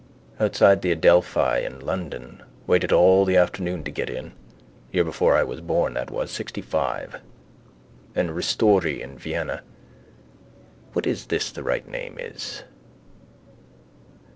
Outside the Adelphi in London waited all the afternoon to get in. Year before I was born that was: sixtyfive. And Ristori in Vienna. What is this the right name is?